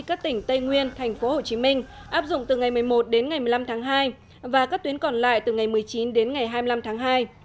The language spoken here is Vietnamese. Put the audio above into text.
các tỉnh tây nguyên thành phố hồ chí minh áp dụng từ ngày một mươi một đến ngày một mươi năm tháng hai và các tuyến còn lại từ ngày một mươi chín đến ngày hai mươi năm tháng hai